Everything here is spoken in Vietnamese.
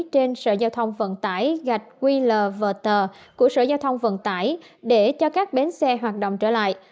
trên sở giao thông vận tải gạch qlver của sở giao thông vận tải để cho các bến xe hoạt động trở lại